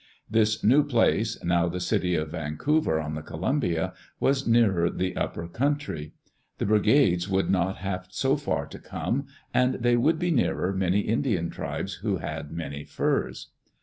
This new place, now the city of Vancouver, on the Columbia, was nearer the upper country. The brigades would not have so far to come, and they would be nearer many Indian tribes who had many furs.